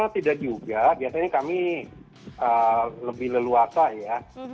tidak juga biasanya kami lebih leluasa ya